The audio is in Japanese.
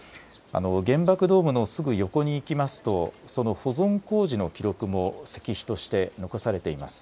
原爆ドームのすぐ横に行きますとその保存工事の記録も石碑として残されています。